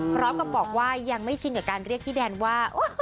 พร้อมกับบอกว่ายังไม่ชินกับการเรียกพี่แดนว่า